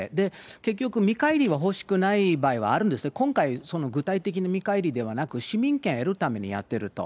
結局見返りは欲しくない場合はあるんですね、今回、具体的に見返りではなく、市民権得るためにやってると。